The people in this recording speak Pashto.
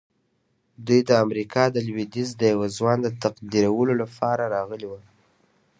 دوی د امریکا د لويديځ د یوه ځوان د تقدیرولو لپاره راغلي وو